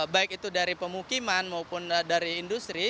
baik itu dari pemukiman maupun dari industri